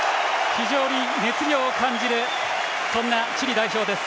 非常に熱量を感じるそんなチリ代表です。